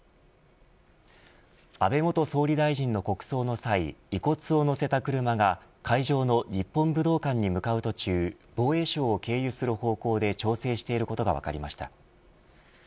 安倍元総理大臣の国葬の際遺骨を乗せた車が会場の日本武道館に向かう途中防衛省を経由する方向で調整していることが分かりました。